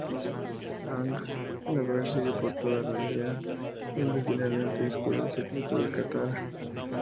Aang la persigue por toda la aldea, donde finalmente descubre el secreto de Katara.